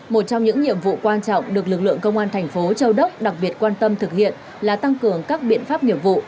một trong những nhiệm vụ quan trọng được lực lượng công an thành phố châu đốc đặc biệt quan tâm thực hiện là tăng cường các biện pháp nghiệp vụ